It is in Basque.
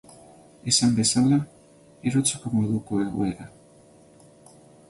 Esan bezala, erotzeko moduko egoera.